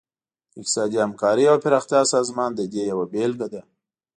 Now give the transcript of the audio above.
د اقتصادي همکارۍ او پراختیا سازمان د دې یوه بیلګه ده